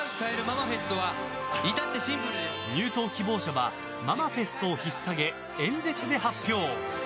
入党希望者はママフェストを引っ提げ演説で発表。